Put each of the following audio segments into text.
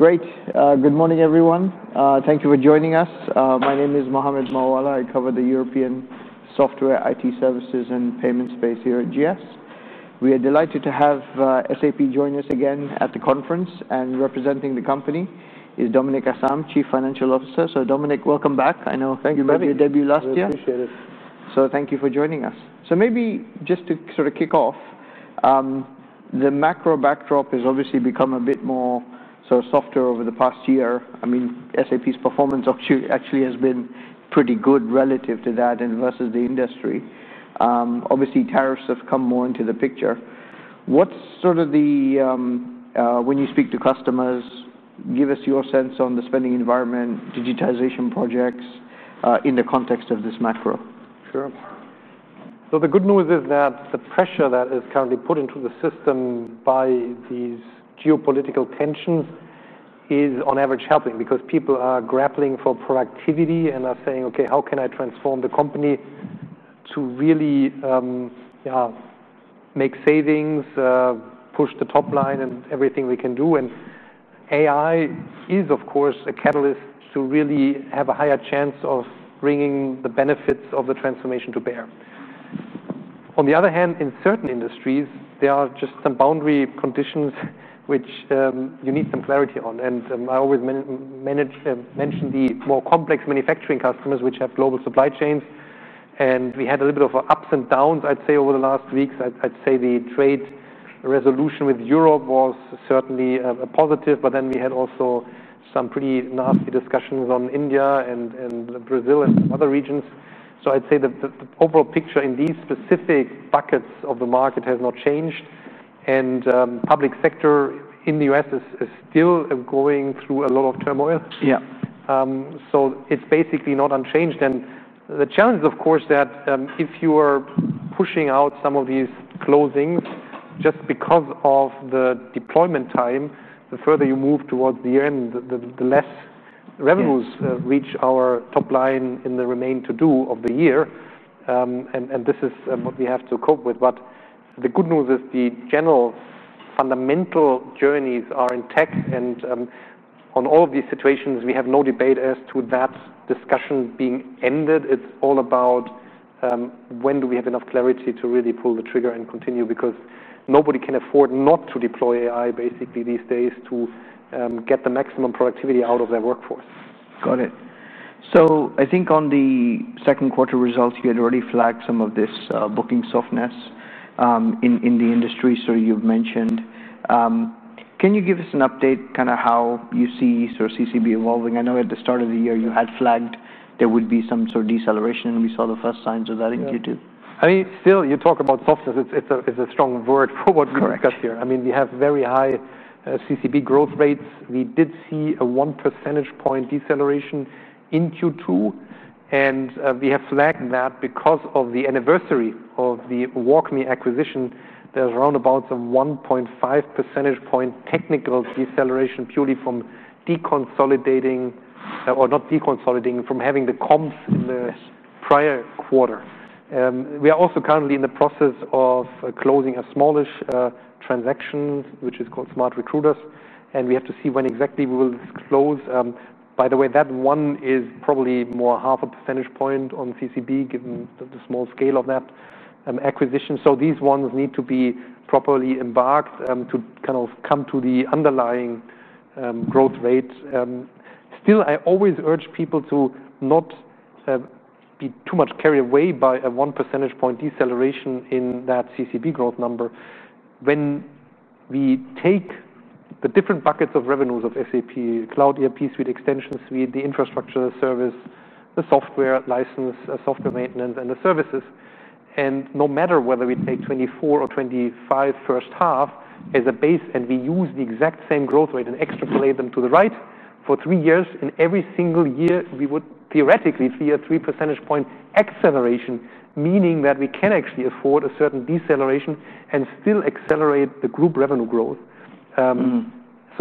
Great. Good morning, everyone. Thank you for joining us. My name is Mohammed Moawalla. I cover the European software, IT services, and payment space here at GS. We are delighted to have SAP join us again at the conference. Representing the company is Dominik Asam, Chief Financial Officer. Dominik, welcome back. I know you made your debut last year. I appreciate it. Thank you for joining us. Maybe just to sort of kick off, the macro backdrop has obviously become a bit more softer over the past year. I mean, SAP's performance actually has been pretty good relative to that and versus the industry. Obviously, tariffs have come more into the picture. What's sort of the, when you speak to customers, give us your sense on the spending environment, digitization projects in the context of this macro. Sure. The good news is that the pressure that is currently put into the system by these geopolitical tensions is, on average, helping because people are grappling for productivity and are saying, okay, how can I transform the company to really make savings, push the top line, and everything we can do? AI is, of course, a catalyst to really have a higher chance of bringing the benefits of the transformation to bear. On the other hand, in certain industries, there are just some boundary conditions which you need some clarity on. I always manage to mention the more complex manufacturing customers which have global supply chains. We had a little bit of ups and downs, I'd say, over the last weeks. The trade resolution with Europe was certainly a positive. We had also some pretty nasty discussions on India and Brazil and other regions. I'd say that the overall picture in these specific buckets of the market has not changed. The public sector in the U.S. is still going through a lot of turmoil. Yeah. It is basically not unchanged. The challenge is, of course, that if you are pushing out some of these closings just because of the deployment time, the further you move towards the end, the less revenues reach our top line in the remaining to-do of the year. This is what we have to cope with. The good news is the general fundamental journeys are intact. On all of these situations, we have no debate as to that discussion being ended. It is all about when do we have enough clarity to really pull the trigger and continue because nobody can afford not to deploy AI, basically, these days to get the maximum productivity out of their workforce. Got it. I think on the second quarter results, you had already flagged some of this booking softness in the industry, as you've mentioned. Can you give us an update on how you see current cloud backlog evolving? I know at the start of the year, you had flagged there would be some sort of deceleration, and we saw the first signs of that in Q2. I mean, still, you talk about softness. It's a strong word for what we discuss here. Correct. I mean, we have very high CCB growth rates. We did see a 1% deceleration in Q2. We have flagged that because of the anniversary of the WalkMe acquisition, there's around about a 1.5 percentage point technical deceleration purely from deconsolidating, or not deconsolidating, from having the comms in the prior quarter. We are also currently in the process of closing a smallish transaction, which is called SmartRecruiters. We have to see when exactly we will close. By the way, that one is probably more 0.5 percentage point on CCB given the small scale of that acquisition. These ones need to be properly embarked to kind of come to the underlying growth rates. Still, I always urge people to not be too much carried away by a 1 percentage point deceleration in that CCB growth number. When we take the different buckets of revenues of SAP, cloud ERP suite, extension suite, the infrastructure service, the software license, software maintenance, and the services, and no matter whether we take 2024 or 2025 first half as a base, and we use the exact same growth rate and extrapolate them to the right for three years, in every single year, we would theoretically see a 3% acceleration, meaning that we can actually afford a certain deceleration and still accelerate the group revenue growth.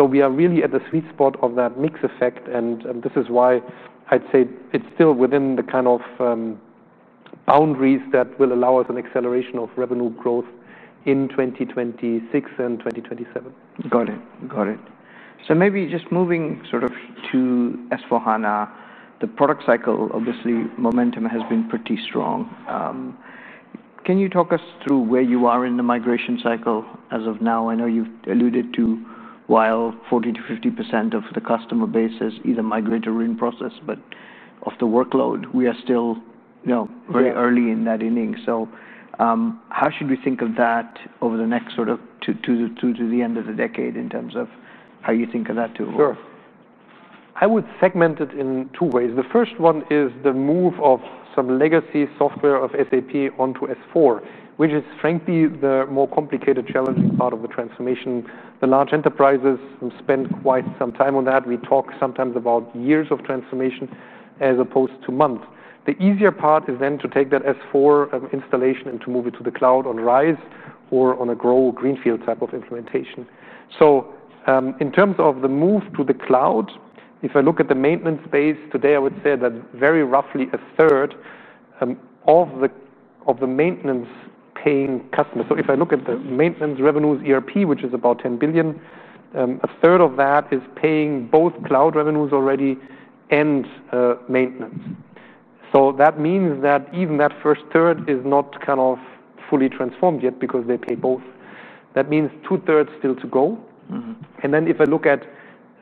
We are really at the sweet spot of that mix effect. This is why I'd say it's still within the kind of boundaries that will allow us an acceleration of revenue growth in 2026 and 2027. Got it. Maybe just moving sort of to S/4HANA, the product cycle, obviously, momentum has been pretty strong. Can you talk us through where you are in the migration cycle as of now? I know you've alluded to while 40%-50% of the customer base is either migrated or in process, but of the workload, we are still very early in that inning. How should we think of that over the next sort of two to the end of the decade in terms of how you think of that tool? Sure. I would segment it in two ways. The first one is the move of some legacy software of SAP onto S/4, which is, frankly, the more complicated, challenging part of the transformation. The large enterprises spend quite some time on that. We talk sometimes about years of transformation as opposed to months. The easier part is then to take that S/4 installation and to move it to the cloud on RISE or on a GROW with greenfield type of implementation. In terms of the move to the cloud, if I look at the maintenance base today, I would say that very roughly 1/3 of the maintenance-paying customers, if I look at the maintenance revenues ERP, which is about $10 billion, 1/3 of that is paying both cloud revenues already and maintenance. That means that even that first third is not kind of fully transformed yet because they pay both. That means 2/3 still to go. If I look at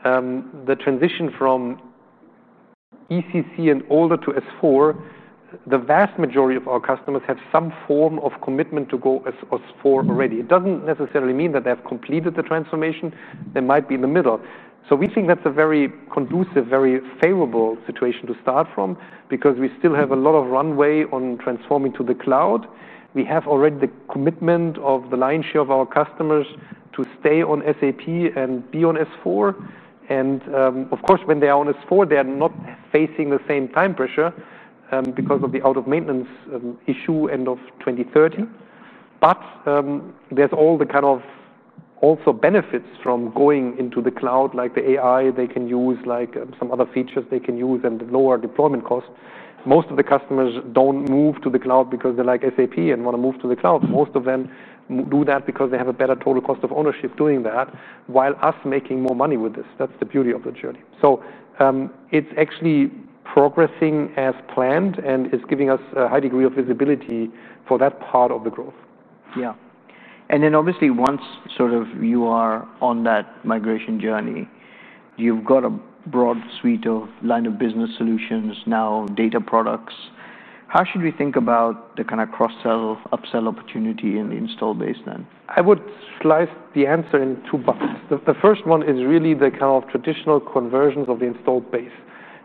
the transition from ECC and older to S/4, the vast majority of our customers have some form of commitment to go as SAP S/4HANA already. It doesn't necessarily mean that they have completed the transformation. They might be in the middle. We think that's a very conducive, very favorable situation to start from because we still have a lot of runway on transforming to the cloud. We have already the commitment of the lion's share of our customers to stay on SAP and be on S/4. Of course, when they are on S/4, they are not facing the same time pressure because of the out-of-maintenance issue end of 2030. There are also benefits from going into the cloud, like the AI they can use, like some other features they can use, and the lower deployment costs. Most of the customers don't move to the cloud because they like SAP and want to move to the cloud. Most of them do that because they have a better total cost of ownership doing that while us making more money with this. That's the beauty of the journey. It's actually progressing as planned and is giving us a high degree of visibility for that part of the growth. Yeah. Obviously, once you are on that migration journey, you've got a broad suite of line of business solutions, now data products. How should we think about the kind of cross-sell, upsell opportunity in the install base then? I would slice the answer in two parts. The first one is really the kind of traditional conversions of the install base.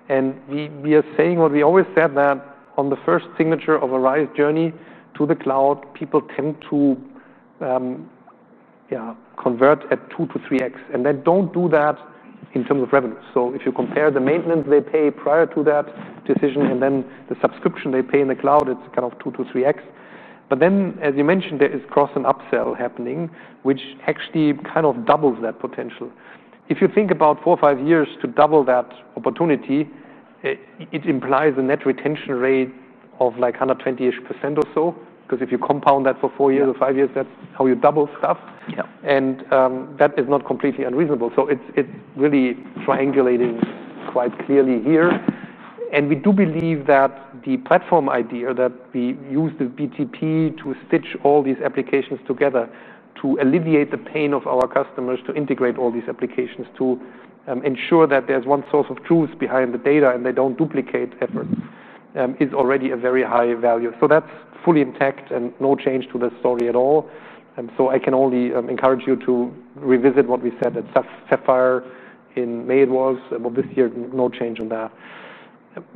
We are saying what we always said, that on the first signature of a RISE journey to the cloud, people tend to convert at 2x-3x. They don't do that in terms of revenue. If you compare the maintenance they pay prior to that decision and then the subscription they pay in the cloud, it's kind of 2x-3x. As you mentioned, there is cross and upsell happening, which actually kind of doubles that potential. If you think about four or five years to double that opportunity, it implies a net retention rate of like 120% or so because if you compound that for four years or five years, that's how you double stuff. Yeah. That is not completely unreasonable. It is really triangulating quite clearly here. We do believe that the platform idea, that we use the BDP to stitch all these applications together to alleviate the pain of our customers to integrate all these applications, to ensure that there is one source of truth behind the data and they do not duplicate efforts, is already a very high value. That is fully intact and no change to the story at all. I can only encourage you to revisit what we said at Sapphire in May this year, no change on that.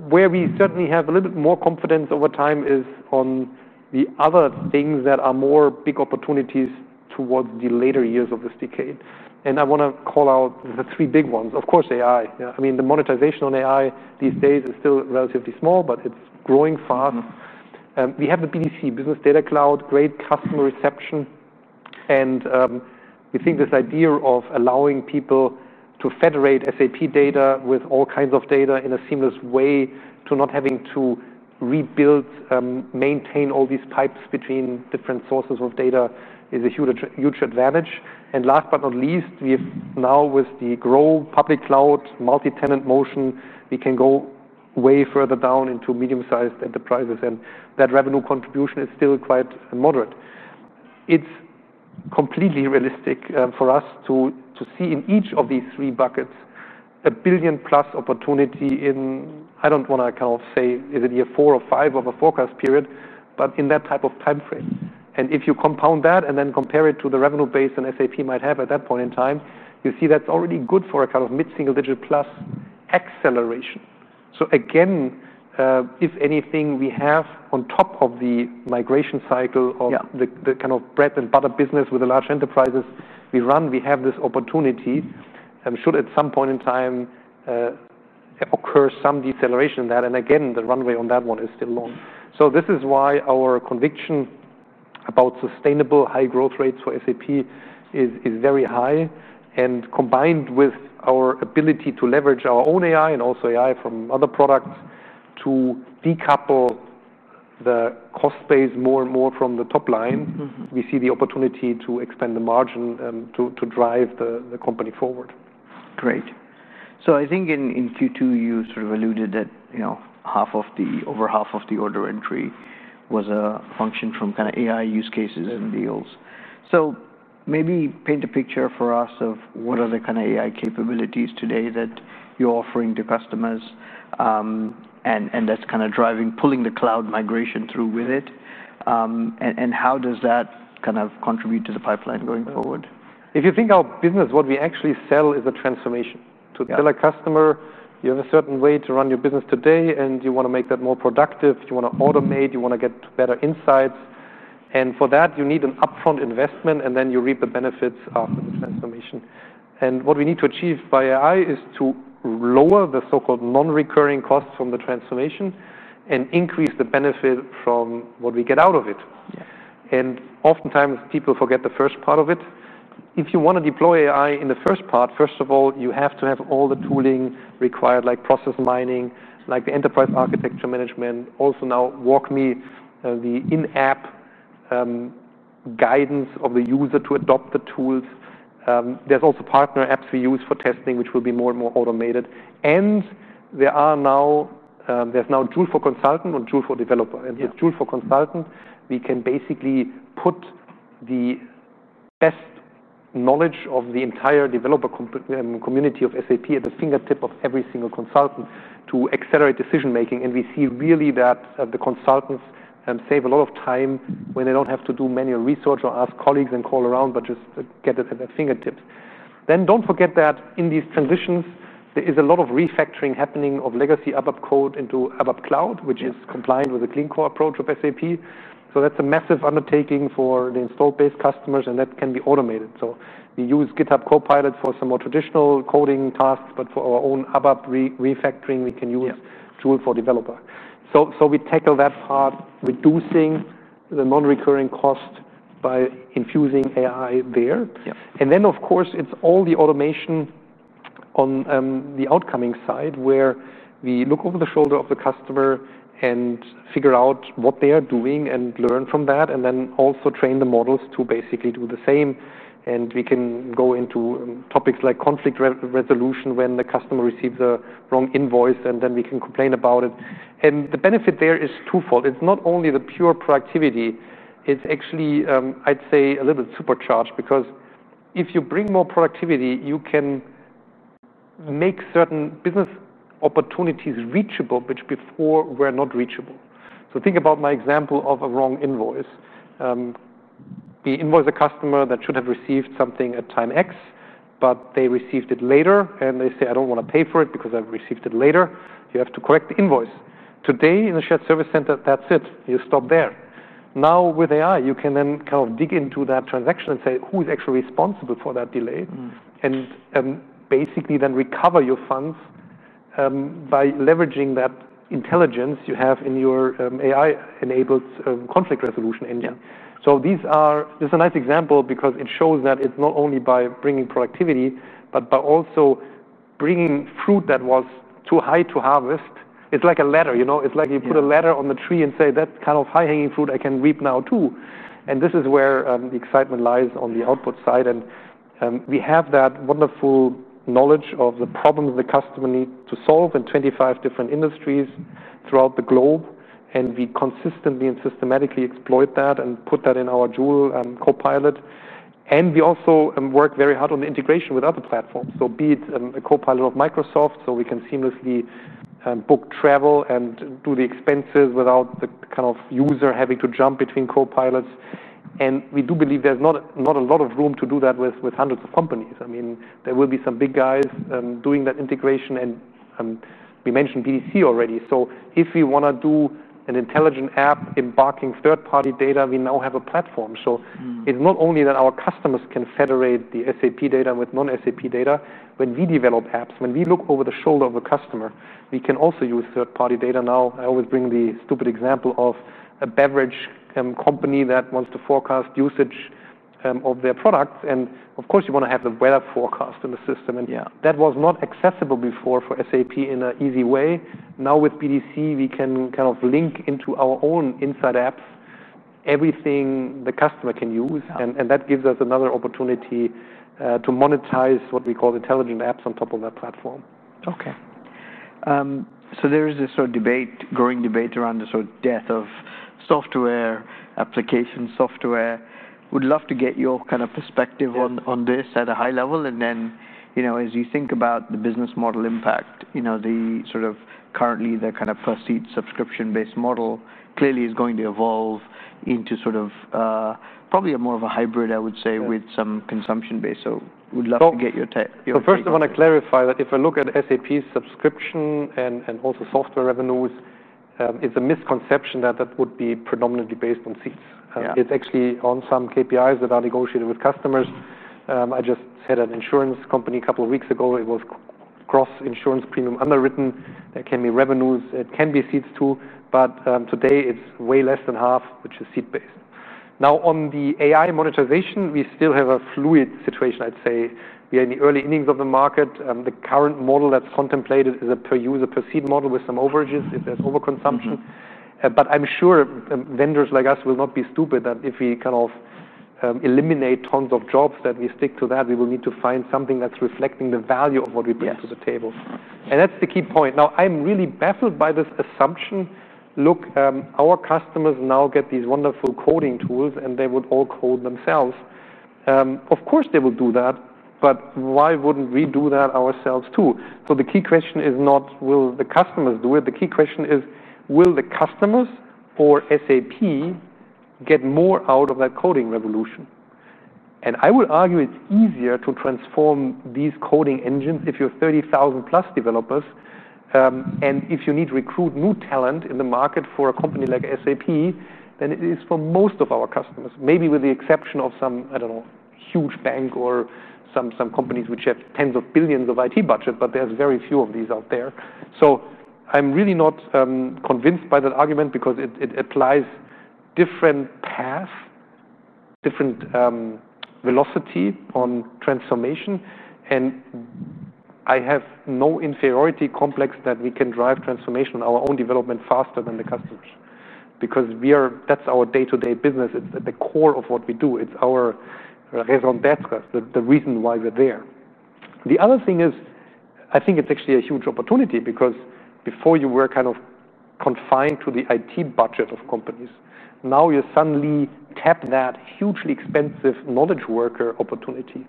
Where we certainly have a little bit more confidence over time is on the other things that are more big opportunities towards the later years of this decade. I want to call out the three big ones. Of course, AI. The monetization on AI these days is still relatively small, but it is growing fast. We have the BDC, great customer reception. We think this idea of allowing people to federate SAP data with all kinds of data in a seamless way, to not having to rebuild, maintain all these pipes between different sources of data, is a huge advantage. Last but not least, we have now with the GROW public cloud multi-tenant motion, we can go way further down into medium-sized enterprises. That revenue contribution is still quite moderate. It i s completely realistic for us to see in each of these three buckets a billion-plus opportunity in, I do not want to kind of say, is it year four or five of a forecast period, but in that type of time frame. If you compound that and then compare it to the revenue base that SAP might have at that point in time, you see that is already good for a kind of mid-single-digit plus acceleration. If anything we have on top of the migration cycle of the kind of bread and butter business with the large enterprises we run, we have this opportunity. Should at some point in time occur some deceleration in that, the runway on that one is still long. This is why our conviction about sustainable high growth rates for SAP is very high. Combined with our ability to leverage our own AI and also AI from other products to decouple the cost base more and more from the top line, we see the opportunity to expand the margin to drive the company forward. Great. I think in Q2, you sort of alluded that over half of the order entry was a function from kind of AI use cases and deals. Maybe paint a picture for us of what are the kind of AI capabilities today that you're offering to customers and that's kind of driving, pulling the cloud migration through with it. How does that kind of contribute to the pipeline going forward? If you think our business, what we actually sell is a transformation. To tell a customer, you have a certain way to run your business today, and you want to make that more productive. You want to automate. You want to get better insights. For that, you need an upfront investment, and then you reap the benefits after the transformation. What we need to achieve by AI is to lower the so-called non-recurring costs from the transformation and increase the benefit from what we get out of it. Yeah. Oftentimes, people forget the first part of it. If you want to deploy AI in the first part, first of all, you have to have all the tooling required, like process mining, like the enterprise architecture management. Also, now WalkMe, the in-app guidance of the user to adopt the tools. There are also partner apps we use for testing, which will be more and more automated. There is now Joule for Consultants and Joule for Developers. With Joule for Consultants, we can basically put the best knowledge of the entire developer community of SAP at the fingertip of every single consultant to accelerate decision-making. We see really that the consultants save a lot of time when they don't have to do manual research or ask colleagues and call around, but just get it at their fingertips. In these transitions, there is a lot of refactoring happening of legacy ABAP code into ABAP Cloud, which is compliant with the Clean Core approach of SAP. That is a massive undertaking for the install base customers, and that can be automated. We use GitHub Copilot for some more traditional coding tasks, but for our own ABAP refactoring, we can use Joule for Developer. We tackle that part, reducing the non-recurring cost by infusing AI there. Yeah. Of course, it's all the automation on the outcoming side where we look over the shoulder of the customer and figure out what they are doing and learn from that, and then also train the models to basically do the same. We can go into topics like conflict resolution when the customer receives a wrong invoice, and then we can complain about it. The benefit there is twofold. It's not only the pure productivity. It's actually, I'd say, a little supercharged because if you bring more productivity, you can make certain business opportunities reachable, which before were not reachable. Think about my example of a wrong invoice. We invoice a customer that should have received something at time X, but they received it later, and they say, I don't want to pay for it because I've received it later. You have to correct the invoice. Today, in the shared service center, that's it. You stop there. Now, with AI, you can then kind of dig into that transaction and say, who is actually responsible for that delay? Basically, then recover your funds by leveraging that intelligence you have in your AI-enabled conflict resolution engine. Yeah. This is a nice example because it shows that it's not only by bringing productivity, but by also bringing fruit that was too high to harvest. It's like a ladder. You know, it's like you put a ladder on the tree and say, that kind of high-hanging fruit I can reap now too. This is where the excitement lies on the output side. We have that wonderful knowledge of the problems the customer needs to solve in 25 different industries throughout the globe. We consistently and systematically exploit that and put that in our Joule and Copilot. We also work very hard on the integration with other platforms. Be it a Copilot of Microsoft so we can seamlessly book travel and do the expenses without the kind of user having to jump between copilots. We do believe there's not a lot of room to do that with hundreds of companies. I mean, there will be some big guys doing that integration. We mentioned BDC already. If we want to do an intelligent app embarking third-party data, we now have a platform. It's not only that our customers can federate the SAP data with non-SAP data. When we develop apps, when we look over the shoulder of a customer, we can also use third-party data. I always bring the stupid example of a beverage company that wants to forecast usage of their products. Of course, you want to have the weather forecast in the system. That was not accessible before for SAP in an easy way. Now, with SAP Business Data Cloud, we can kind of link into our own inside apps, everything the customer can use. That gives us another opportunity to monetize what we call intelligent apps on top of that platform. There is this sort of debate, growing debate around the sort of death of software, application software. Would love to get your kind of perspective on this at a high level. As you think about the business model impact, you know, the sort of currently the kind of perceived subscription-based model clearly is going to evolve into sort of probably a more of a hybrid, I would say, with some consumption-based. Would love to get your take. Sure. First, I want to clarify that if I look at SAP's subscription and also software revenues, it's a misconception that that would be predominantly based on seats. Yeah. It's actually on some KPIs that are negotiated with customers. I just had an insurance company a couple of weeks ago. It was cross-insurance premium underwritten. There can be revenues. It can be seats too. Today, it's way less than half, which is seat-based. Now, on the AI monetization, we still have a fluid situation, I'd say. We are in the early innings of the market. The current model that's contemplated is a per-user per seat model with some overages if there's overconsumption. I'm sure vendors like us will not be stupid that if we kind of eliminate tons of jobs, that we stick to that. We will need to find something that's reflecting the value of what we bring to the table. Yeah. That's the key point. I'm really baffled by this assumption. Look, our customers now get these wonderful coding tools, and they would all code themselves. Of course, they will do that. Why wouldn't we do that ourselves too? The key question is not, will the customers do it? The key question is, will the customers or SAP get more out of that coding revolution? I would argue it's easier to transform these coding engines if you're 30,000+ developers. If you need to recruit new talent in the market for a company like SAP, then it is for most of our customers, maybe with the exception of some, I don't know, huge bank or some companies which have tens of billions of IT budget, but there's very few of these out there. I'm really not convinced by that argument because it applies different paths, different velocity on transformation. I have no inferiority complex that we can drive transformation on our own development faster than the customers because that's our day-to-day business. It's at the core of what we do. It's our raison d'être, the reason why we're there. The other thing is, I think it's actually a huge opportunity because before you were kind of confined to the IT budget of companies, now you suddenly tap that hugely expensive knowledge worker opportunity.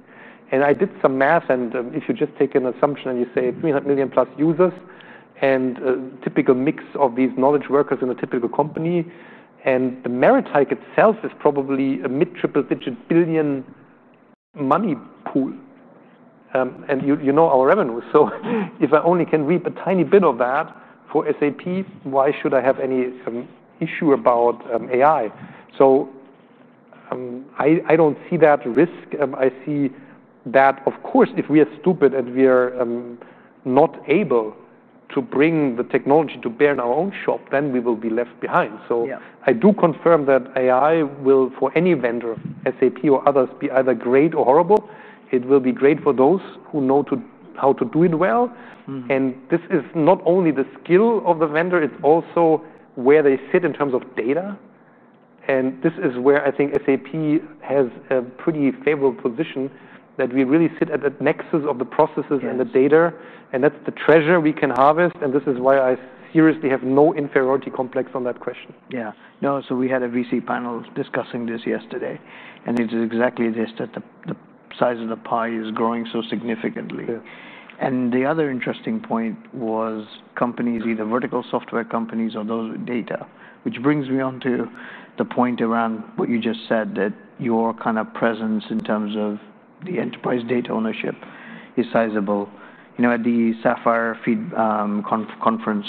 I did some math. If you just take an assumption and you say 300 million+ users and a typical mix of these knowledge workers in a typical company, and the merit itself is probably a mid-triple-digit billion money pool. You know our revenues. If I only can reap a tiny bit of that for SAP, why should I have any issue about AI? I don't see that risk. I see that, of course, if we are stupid and we are not able to bring the technology to bear in our own shop, then we will be left behind. Yeah. I do confirm that AI will, for any vendor, SAP or others, be either great or horrible. It will be great for those who know how to do it well. This is not only the skill of the vendor. It's also where they sit in terms of data. This is where I think SAP has a pretty favorable position that we really sit at the nexus of the processes and the data. That's the treasure we can harvest. This is why I seriously have no inferiority complex on that question. Yeah. No, we had a VC panel discussing this yesterday. It is exactly this, that the size of the pie is growing so significantly. Yeah. The other interesting point was companies, either vertical software companies or those with data, which brings me on to the point around what you just said, that your kind of presence in terms of the enterprise data ownership is sizable. At the Sapphire conference,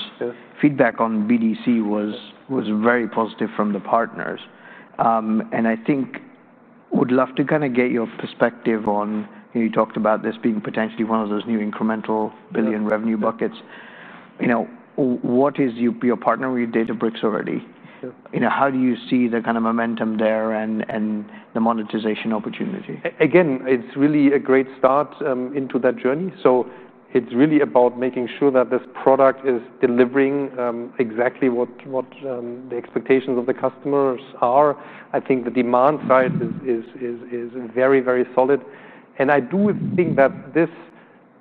feedback on SAP Business Data Cloud was very positive from the partners. I think I would love to kind of get your perspective on, you talked about this being potentially one of those new incremental billion revenue buckets. What is your partner with Databricks already? How do you see the kind of momentum there and the monetization opportunity? Again, it's really a great start into that journey. It's really about making sure that this product is delivering exactly what the expectations of the customers are. I think the demand for it is very, very solid. I do think that this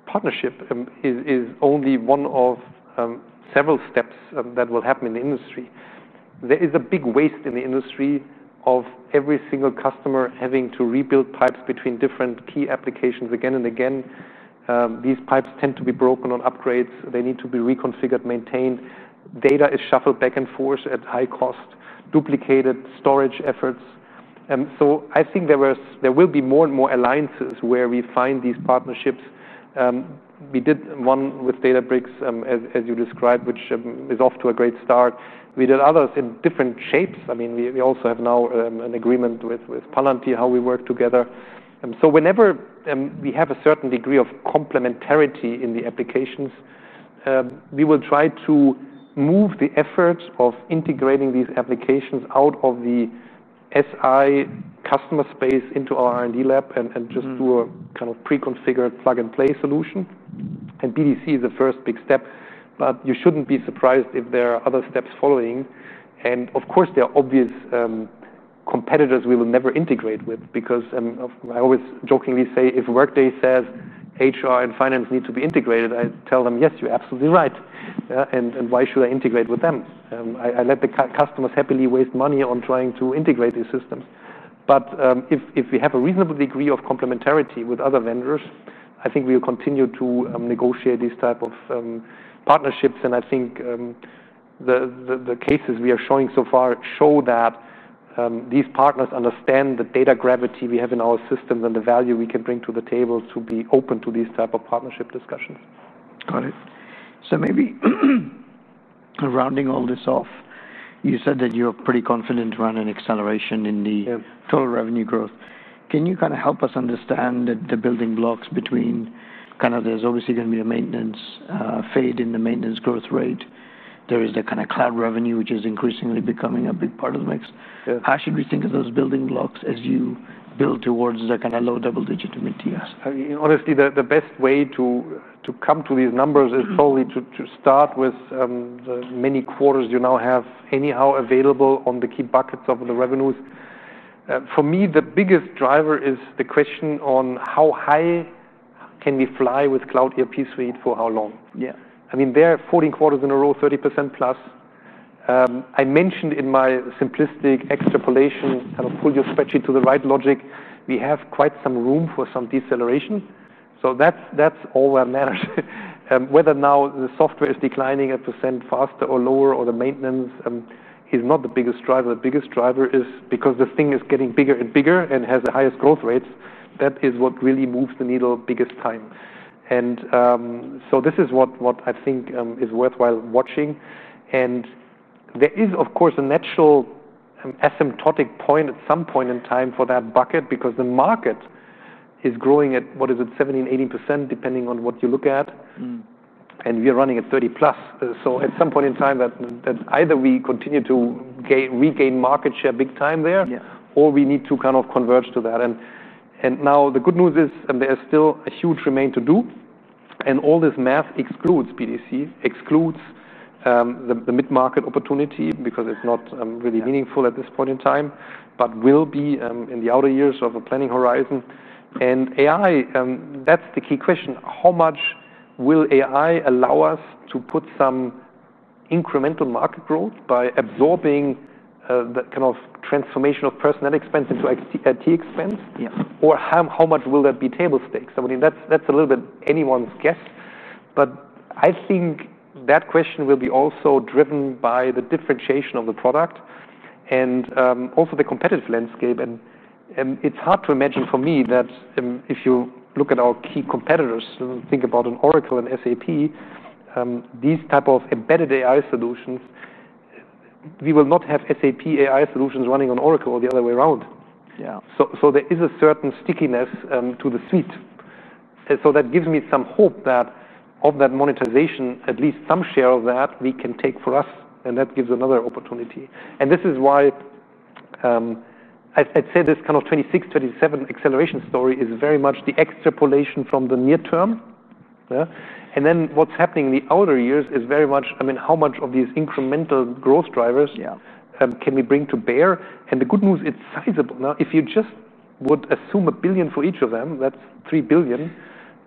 partnership is only one of several steps that will happen in the industry. There is a big waste in the industry of every single customer having to rebuild pipes between different key applications again and again. These pipes tend to be broken on upgrades. They need to be reconfigured, maintained. Data is shuffled back and forth at high cost, duplicated storage efforts. I think there will be more and more alliances where we find these partnerships. We did one with Databricks, as you described, which is off to a great start. We did others in different shapes. I mean, we also have now an agreement with Palantir, how we work together. Whenever we have a certain degree of complementarity in the applications, we will try to move the effort of integrating these applications out of the SI customer space into our R&D lab and just do a kind of pre-configured plug-and-play solution. BDC is the first big step. You shouldn't be surprised if there are other steps following. Of course, there are obvious competitors we will never integrate with because I always jokingly say, if Workday says HR and finance need to be integrated, I tell them, yes, you're absolutely right. Why should I integrate with them? I let the customers happily waste money on trying to integrate these systems. If we have a reasonable degree of complementarity with other vendors, I think we will continue to negotiate these types of partnerships. I think the cases we are showing so far show that these partners understand the data gravity we have in our systems and the value we can bring to the table to be open to these types of partnership discussions. Got it. Maybe rounding all this off, you said that you're pretty confident around an acceleration in the total revenue growth. Yeah. Can you help us understand the building blocks between there's obviously going to be a maintenance fade in the maintenance growth rate? There is the cloud revenue, which is increasingly becoming a big part of the mix. Yeah. How should we think of those building blocks as you build towards the kind of low double-digit immediate? Honestly, the best way to come to these numbers is probably to start with the many quarters you now have anyhow available on the key buckets of the revenues. For me, the biggest driver is the question on how high can we fly with cloud ERP suite for how long? Yeah. I mean, they're 14 quarters in a row, 30%+. I mentioned in my simplistic extrapolation, kind of pull your spreadsheet to the right logic, we have quite some room for some deceleration. That's all that matters. Whether now the software is declining a percent faster or lower or the maintenance is not the biggest driver. The biggest driver is because this thing is getting bigger and bigger and has the highest growth rates. That is what really moves the needle biggest time. This is what I think is worthwhile watching. There is, of course, a natural asymptotic point at some point in time for that bucket because the market is growing at, what is it, 70%, 80% depending on what you look at. We are running at 30%+. At some point in time, that either we continue to regain market share big time there or we need to kind of converge to that. The good news is there is still a huge remain to do. All this math excludes BDC, excludes the mid-market opportunity because it's not really meaningful at this point in time, but will be in the outer years of a planning horizon. AI, that's the key question. How much will AI allow us to put some incremental market growth by absorbing that kind of transformation of personnel expense into IT expense? How much will that be table stakes? I mean, that's a little bit anyone's guess. I think that question will be also driven by the differentiation of the product and also the competitive landscape. It's hard to imagine for me that if you look at our key competitors and think about Oracle and SAP, these types of embedded AI solutions, we will not have SAP AI solutions running on Oracle or the other way around. There is a certain stickiness to the suite, and that gives me some hope that of that monetization, at least some share of that we can take for us. That gives another opportunity. This is why I'd say this kind of 2026, 2027 acceleration story is very much the extrapolation from the near term. What's happening in the outer years is very much, I mean, how much of these incremental growth drivers can we bring to bear. The good news, it's sizable. If you just would assume $1 billion for each of them, that's $3 billion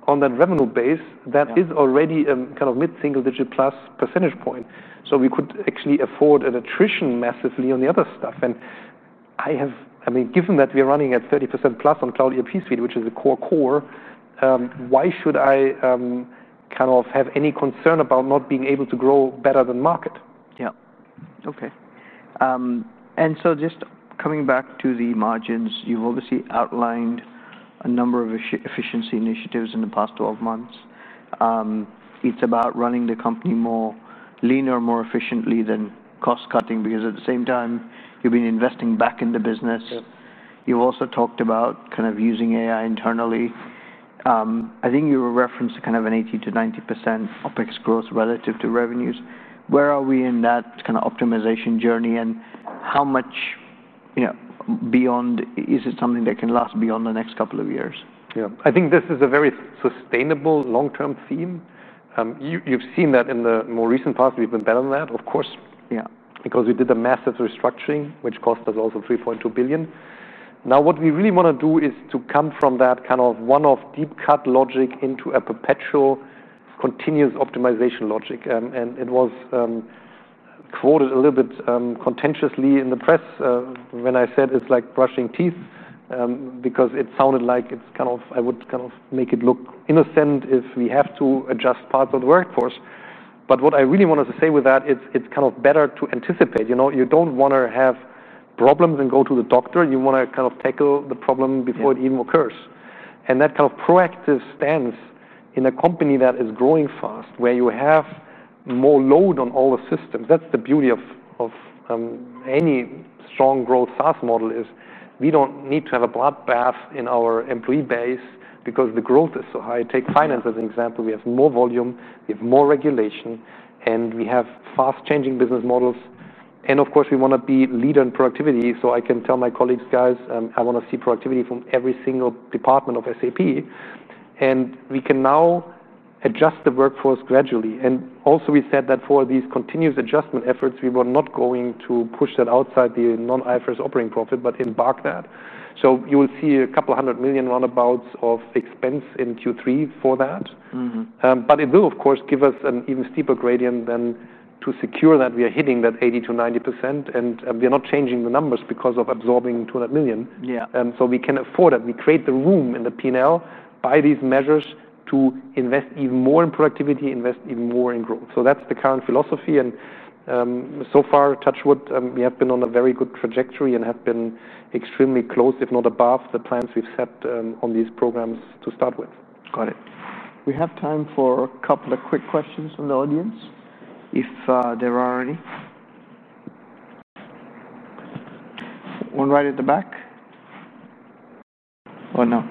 on that revenue base, that is already kind of mid-single-digit plus percentage point. We could actually afford an attrition massively on the other stuff. I have, I mean, given that we are running at 30%+ on cloud ERP suite, which is a core core, why should I kind of have any concern about not being able to grow better than the market? Okay. Just coming back to the margins, you've obviously outlined a number of efficiency initiatives in the past 12 months. It's about running the company more lean, more efficiently than cost cutting because at the same time, you've been investing back in the business. You've also talked about kind of using AI internally. I think you referenced kind of an 80%-90% OpEx growth relative to revenues. Where are we in that kind of optimization journey, and how much, you know, beyond is it something that can last beyond the next couple of years? I think this is a very sustainable long-term theme. You've seen that in the more recent past, we've been better than that, of course. Because we did the massive restructuring, which cost us also $3.2 billion. Now, what we really want to do is to come from that kind of one-off deep cut logic into a perpetual continuous optimization logic. It was quoted a little bit contentiously in the press when I said it's like brushing teeth because it sounded like I would kind of make it look innocent if we have to adjust parts of the workforce. What I really wanted to say with that is it's kind of better to anticipate. You know, you don't want to have problems and go to the doctor. You want to kind of tackle the problem before it even occurs. That kind of proactive stance in a company that is growing fast, where you have more load on all the systems, that's the beauty of any strong growth SaaS model, is we don't need to have a bloodbath in our employee base because the growth is so high. Take finance as an example. We have more volume. We have more regulation. We have fast-changing business models. Of course, we want to be leading in productivity. I can tell my colleagues, guys, I want to see productivity from every single department of SAP. We can now adjust the workforce gradually. Also, we said that for these continuous adjustment efforts, we were not going to push that outside the non-IFRS operating profit, but embark that. You will see a couple hundred million roundabouts of expense in Q3 for that. It will, of course, give us an even steeper gradient than to secure that we are hitting that 80%-90%. We are not changing the numbers because of absorbing $200 million. We can afford that. We create the room in the P&L by these measures to invest even more in productivity, invest even more in growth. That's the current philosophy. So far, touch wood, we have been on a very good trajectory and have been extremely close, if not above, the times we've set on these programs to start with. Got it. We have time for a couple of quick questions from the audience if there are any. One right at the back or no?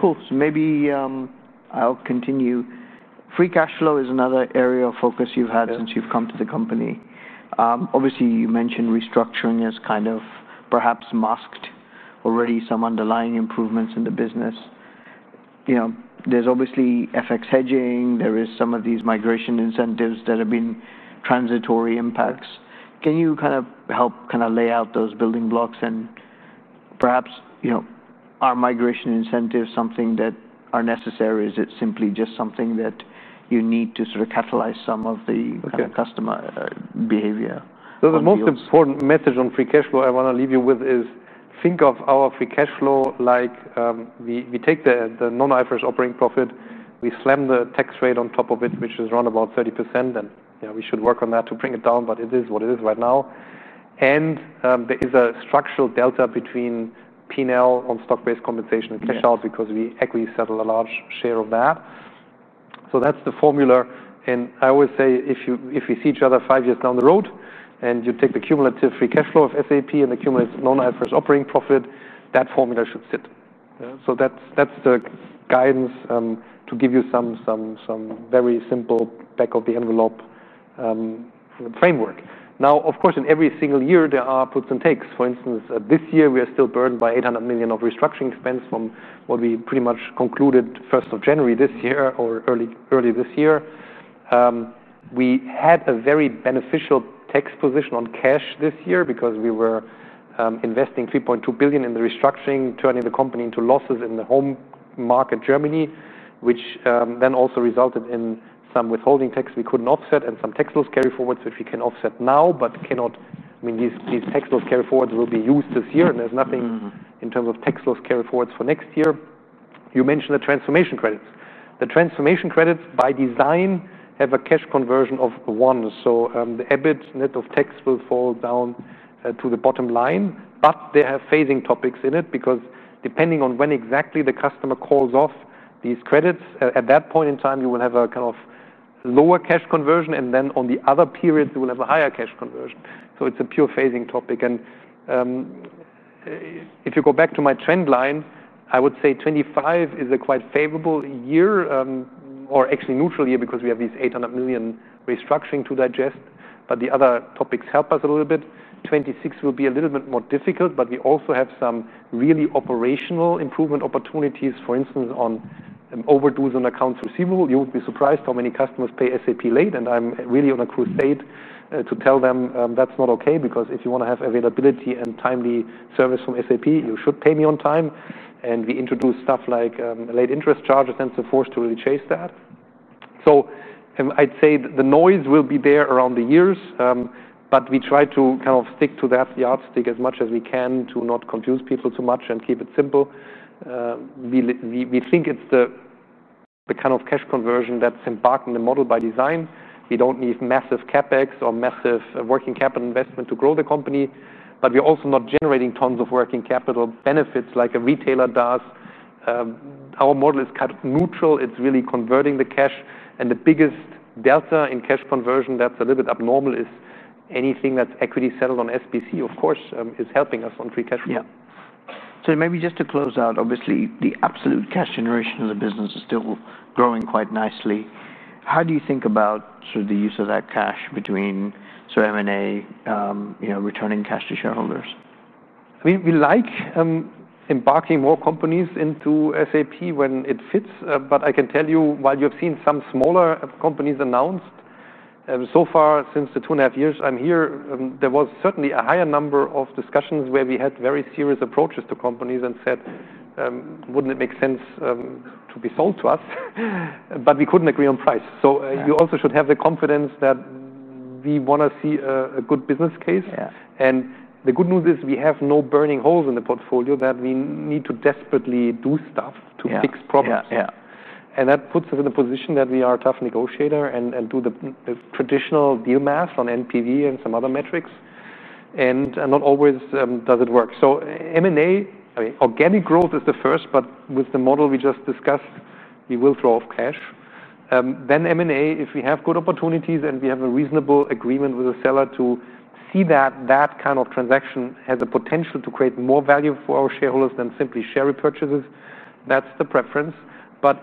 Cool. Maybe I'll continue. Free cash flow is another area of focus you've had since you've come to the company. Obviously, you mentioned restructuring as kind of perhaps masked already some underlying improvements in the business. There's obviously FX hedging. There are some of these migration incentives that have been transitory impacts. Can you help lay out those building blocks? Perhaps, are migration incentives something that are necessary? Is it simply just something that you need to sort of catalyze some of the customer behavior? The most important message on free cash flow I want to leave you with is think of our free cash flow like we take the non-IFRS operating profit. We slam the tax rate on top of it, which is around about 30%. We should work on that to bring it down, but it is what it is right now. There is a structural delta between P&L on stock-based compensation and cash out because we equity settle a large share of that. That's the formula. I always say if we see each other five years down the road and you take the cumulative free cash flow of SAP and the cumulative non-IFRS operating profit, that formula should sit. That's the guidance to give you some very simple back-of-the-envelope framework. Of course, in every single year, there are puts and takes. For instance, this year, we are still burdened by $800 million of restructuring expense from what we pretty much concluded 1st of January this year or early this year. We had a very beneficial tax position on cash this year because we were investing $3.2 billion in the restructuring, turning the company into losses in the home market, Germany, which then also resulted in some withholding tax we couldn't offset and some tax loss carryforwards which we can offset now, but cannot, I mean, these tax loss carryforwards will be used this year. There is nothing in terms of tax loss carryforwards for next year. You mentioned the transformation credits. The transformation credits by design have a cash conversion of 1. The EBIT net of tax will fall down to the bottom line. They have phasing topics in it because depending on when exactly the customer calls off these credits, at that point in time, you will have a kind of lower cash conversion. In the other periods, you will have a higher cash conversion. It's a pure phasing topic. If you go back to my trend line, I would say 2025 is a quite favorable year or actually neutral year because we have these $800 million restructuring to digest. The other topics help us a little bit. 2026 will be a little bit more difficult. We also have some really operational improvement opportunities, for instance, on overdues on accounts receivable. You would be surprised how many customers pay SAP late. I'm really on a crusade to tell them that's not okay because if you want to have availability and timely service from SAP, you should pay me on time. We introduce stuff like late interest charges and so forth to really chase that. I'd say the noise will be there around the years. We try to kind of stick to that yardstick as much as we can to not confuse people too much and keep it simple. We think it's the kind of cash conversion that's embarking the model by design. You don't need massive CapEx or massive working capital investment to grow the company. We're also not generating tons of working capital benefits like a retailer does. Our model is kind of neutral. It's really converting the cash. The biggest delta in cash conversion that's a little bit abnormal is anything that's equity settled on SBC, of course, is helping us on free cash flow. Yeah. Maybe just to close out, obviously, the absolute cash generation of the business is still growing quite nicely. How do you think about the use of that cash between M&A, you know, returning cash to shareholders? I mean, we like embarking more companies into SAP when it fits. I can tell you, while you have seen some smaller companies announced, so far since the 2.5 years I'm here, there was certainly a higher number of discussions where we had very serious approaches to companies and said, wouldn't it make sense to be sold to us? We couldn't agree on price. You also should have the confidence that we want to see a good business case. The good news is we have no burning holes in the portfolio that we need to desperately do stuff to fix problems. That puts us in the position that we are a tough negotiator and do the traditional deal math on NPV and some other metrics. Not always does it work. M&A, I mean, organic growth is the first. With the model we just discussed, we will throw off cash. M&A, if we have good opportunities and we have a reasonable agreement with the seller to see that that kind of transaction has the potential to create more value for our shareholders than simply share repurchases, that's the preference.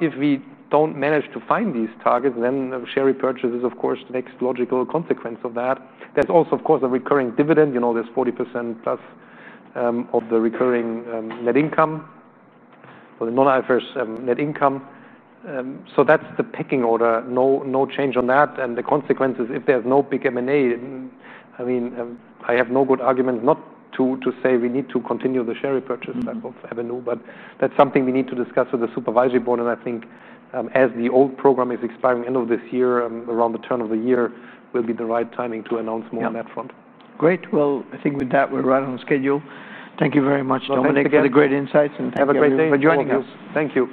If we don't manage to find these targets, share repurchases are the next logical consequence of that. There is also, of course, a recurring dividend. There is 40%+ of the recurring net income, or the non-IFRS net income. That's the pecking order. No change on that. The consequence is if there is no big M&A, I have no good argument not to say we need to continue the share repurchase type of avenue. That's something we need to discuss with the Supervisory Board. I think as the old program is expiring end of this year, around the turn of the year will be the right timing to announce more on that front. Great. I think with that, we're right on schedule. Thank you very much, Dominik. You had great insights. Thank you. Have a great day. Thank you. For joining us. Thank you.